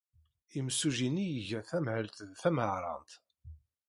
Imsujji-nni iga tamhelt d taweɛṛant.